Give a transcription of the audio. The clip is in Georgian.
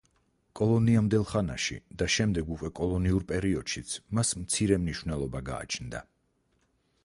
კოლონიამდელ ხანაში და შემდეგ უკვე კოლონიურ პერიოდშიც მას მცირე მნიშვნელობა გააჩნდა.